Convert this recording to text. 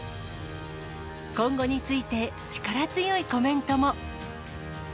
今後について、力強いコメントも。